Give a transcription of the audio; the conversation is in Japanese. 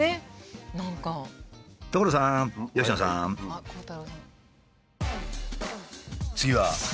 あっ鋼太郎さん。